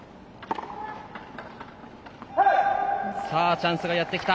チャンスがやってきた。